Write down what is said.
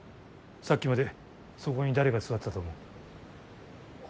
さっきまでそこに誰が座ってたと思う。